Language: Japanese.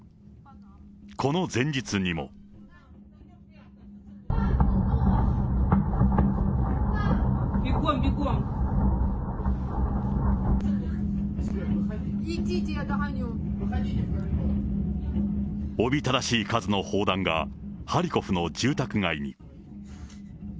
この前日にも。おびただしい数の砲弾がハリコフの住宅街に。